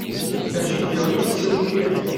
Ar jida i yi-tettawi tirga.